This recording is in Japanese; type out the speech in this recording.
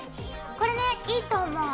これねいいと思う。